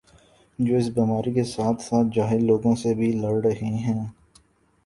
جو اس بیماری کے ساتھ ساتھ جاہل لوگوں سے بھی لڑ رہے ہیں